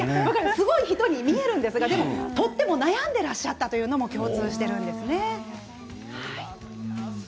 すごい人に見えるんですがとても悩んでいらっしゃったというのも共通しています。